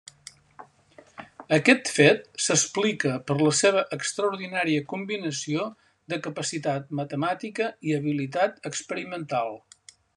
Aquest fet s'explica per la seva extraordinària combinació de capacitat matemàtica i habilitat experimental.